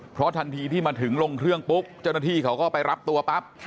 เพราะทันทีที่มาถึงลงเครื่องปุ๊บเจ้าหน้าที่เขาก็ไปรับตัวปั๊บ